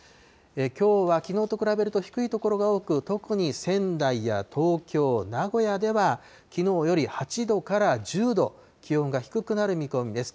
きょうはきのうと比べると低い所が多く、特に仙台や東京、名古屋では、きのうより８度から１０度気温が低くなる見込みです。